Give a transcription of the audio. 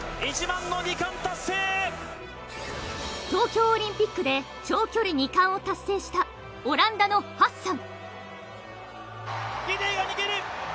東京オリンピックで長距離２冠を達成したオランダのハッサン。